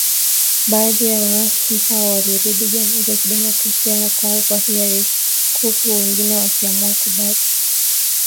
Baadhi ya waasi hao walirudi Jamhuri ya kidemokrasia ya Kongo kwa hiari huku wengine wakiamua kubaki katika kambi la jeshi la Uganda